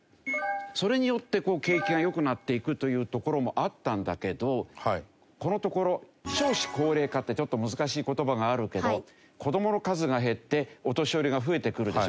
それによって景気が良くなっていくというところもあったんだけどこのところ少子高齢化ってちょっと難しい言葉があるけど子どもの数が減ってお年寄りが増えてくるでしょ？